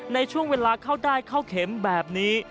ในช่วงเวลาเข้าได้เข้าเข็มแบบนี้